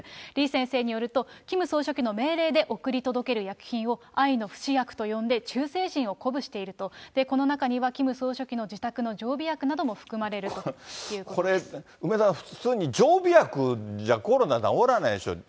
李先生によると、キム総書記の命令で送り届ける薬品を、愛の不死薬と呼んで、忠誠心を鼓舞していると、この中にはキム総書記の自宅の常備薬なども含まれるということでこれ、梅沢さん、普通、常備薬じゃコロナ治らないでしょ。